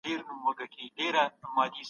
هغه کتاب چي افلاطون ليکلی دی، جمهور نومېږي.